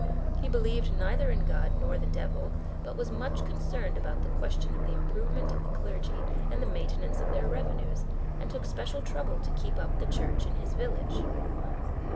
He believed neither in God nor the devil, but was much concerned about the question of the improvement of the clergy and the maintenance of their revenues, and took special trouble to keep up the church in his village.